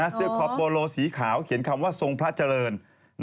คอปโปโลสีขาวเขียนคำว่าทรงพระเจริญ